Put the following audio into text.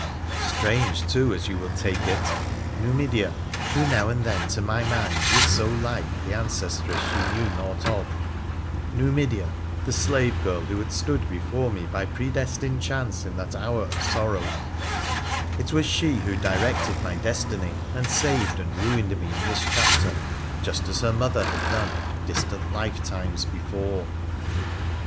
Strange, too, as you will take it, Numidea, who, now and then, to my mind was so like the ancestress she knew naught of : Numidea, the slave girl who had stood before me by pre destined chance in that hour of sorrow — it was she who directed my destiny and saved and ruined me in this chapter, just a3 her mother had done distant lifetimes before